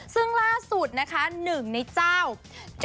ซึ่งล่าสุดนะคะหนึ่งในเจ้า